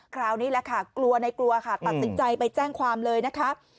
คราวนี้แหละค่ะกลัวในกลัวค่ะตัดสินใจไปแจ้งความเลยนะคะ